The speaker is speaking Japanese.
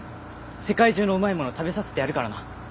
世界中のうまいもの食べさせてやるからな！